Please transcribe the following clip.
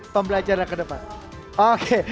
pembelajaran ke depan oke